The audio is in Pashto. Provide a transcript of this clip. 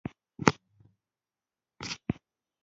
راسه کروندې له.